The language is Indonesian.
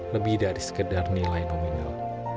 lebih dari sekedar nilai nominal